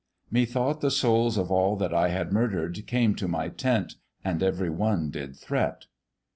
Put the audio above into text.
Methought the souls of all that I had murder'd Came to my tent, and every one did threat